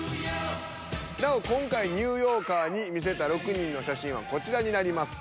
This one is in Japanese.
なお今回ニューヨーカーに見せた６人の写真はこちらになります。